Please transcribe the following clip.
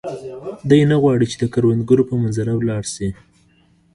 دی نه غواړي چې د کروندګرو په منظره ولاړ شي.